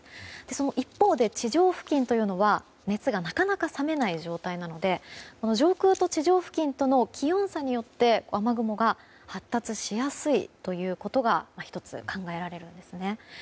その一方で地上付近は熱がなかなか冷めない状態なので上空と地上付近との気温差によって雨雲が発達しやすいということが１つ考えられるんですね。